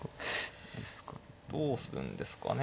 どうするんですかね。